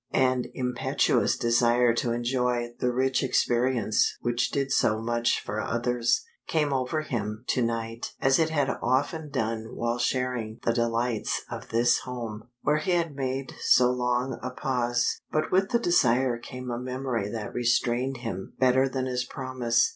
An impetuous desire to enjoy the rich experience which did so much for others, came over him to night as it had often done while sharing the delights of this home, where he had made so long a pause. But with the desire came a memory that restrained him better than his promise.